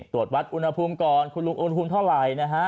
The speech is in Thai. ตรวจวัดอุณหภูมิก่อนคุณลุงอุณหภูมิเท่าไหร่นะฮะ